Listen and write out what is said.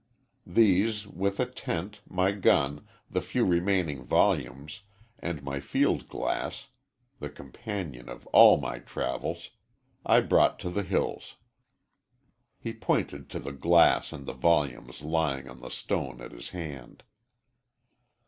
These, with a tent, my gun, the few remaining volumes, and my field glass the companion of all my travels I brought to the hills." He pointed to the glass and the volumes lying on the stone at his hand.